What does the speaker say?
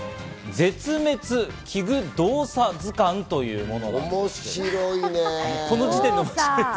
『絶滅危惧動作図鑑』というものです。